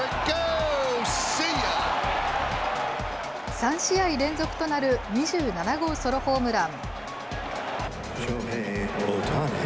３試合連続となる２７号ソロホームラン。